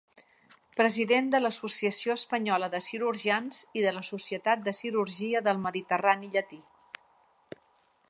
President de l'Associació Espanyola de Cirurgians i de la Societat de Cirurgia del Mediterrani Llatí.